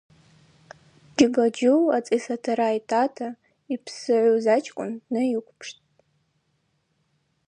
Джьыба-Джьу ацӏис атара йтата йпссгӏуз ачкӏвын днайыквпштӏ.